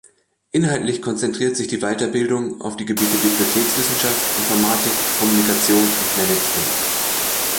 Inhaltlich konzentriert sich die Weiterbildung auf die Gebiete Bibliothekswissenschaft, Informatik, Kommunikation und Management.